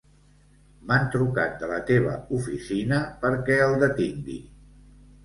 M'han trucat de la teva oficina perquè el detingui.